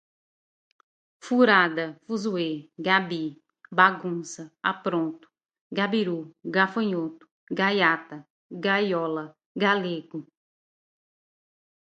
furada, fuzuê, gabi, bagunça, apronto, gabirú, gafanhoto, gaiata, gaiola, galego